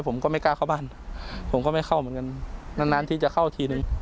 ผมก็ไม่กล้าเข้าบ้านผมก็ไม่เข้าเหมือนกันนานนานที่จะเข้าทีนึง